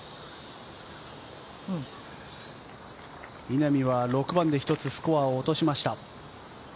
稲見は６番で１つスコアを落としました。